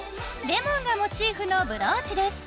レモンがモチーフのブローチです。